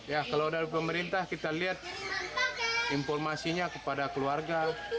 ya kalau dari pemerintah kita lihat informasinya kepada keluarga